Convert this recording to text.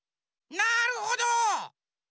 なるほど！